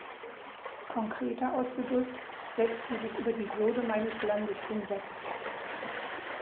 Konkreter ausgedrückt, setzt sie sich über die Würde meines Landes hinweg.